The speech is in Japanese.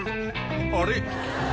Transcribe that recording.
あれ？